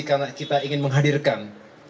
karena kita ingin menghadirkan